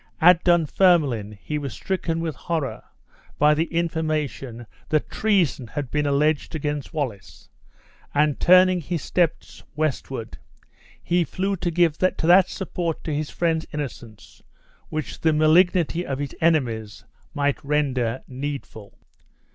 At Dunfermline he was stricken with horror by the information that treason had been alleged against Wallace, and turning his steps westward, he flew to give that support to his friend's innocence which the malignity of his enemies might render needful.